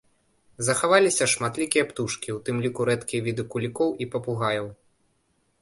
Захаваліся шматлікія птушкі, у тым ліку рэдкія віды кулікоў і папугаяў.